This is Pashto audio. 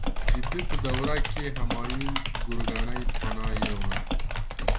د ده په دوره کې همایون ګورکاني پناه یووړه.